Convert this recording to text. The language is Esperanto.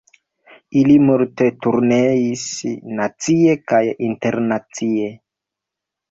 Ili multe turneis, nacie kaj internacie.